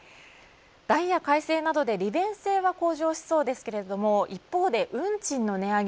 ダイヤ改正などで利便性は向上しそうですけれども一方で運賃の値上げ